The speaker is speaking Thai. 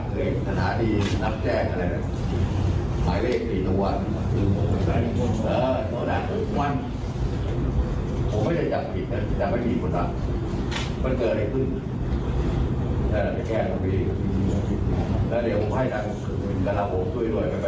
เวลาเดี๋ยวผมให้นะแล้วเราพบซุ้ยรวยกันไปทุนวันกลายกันสำรวจ